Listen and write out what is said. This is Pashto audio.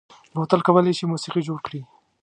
بوتل کولای شي موسيقي جوړ کړي.